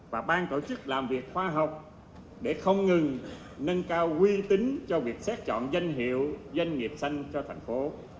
và ban tổ chức làm việc khoa học để không ngừng nâng cao quy tính cho việc xét chọn danh hiệu doanh nghiệp xanh cho thành phố